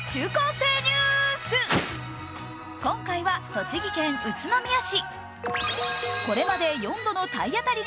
今回は栃木県宇都宮市。